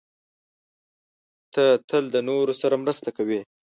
ته تل د نورو سره مرسته کوې.